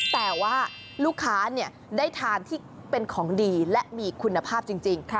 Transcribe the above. แต่ว่าลูกค้าได้ทานที่เป็นของดีและมีคุณภาพจริง